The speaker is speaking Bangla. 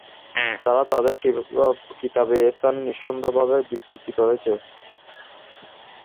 তারা তাদের কিতাবে এ স্থানে নিঃসন্দেহভাবে বিকৃতি করেছে।